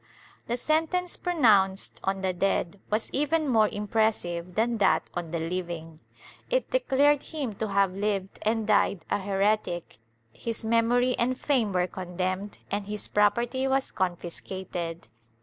The sentence pronounced on the dead was even more impres sive than that on the living. It declared him to have lived and died a heretic, his memory and fame were condemned and his property was confiscated.